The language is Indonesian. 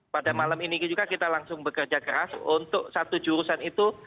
pada malam ini juga kita langsung bekerja keras untuk satu jurusan itu